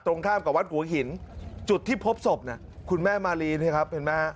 ตรงข้ามกับวัดหัวหินจุดที่พบศพคุณแม่มารีนะครับ